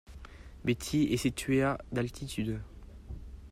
Beatty est située à d'altitude.